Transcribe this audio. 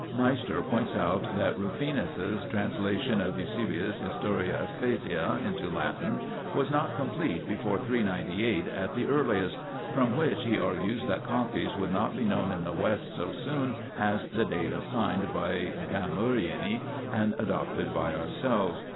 Meister points out that Rufinus's translation of Eus. Hist. Eccl. into Latin was not complete before 398 at the earliest, from which he argues that copies would not be known in the West so soon as the date assigned by Gamurrini and adopted by ourselves.